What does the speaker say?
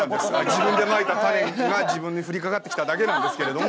自分でまいた種が自分に降りかかってきただけなんですけれども。